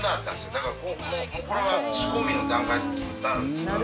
だからもうこれは仕込みの段階で作ってあるもんですから。